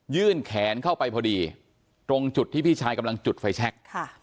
แขนเข้าไปพอดีตรงจุดที่พี่ชายกำลังจุดไฟแชค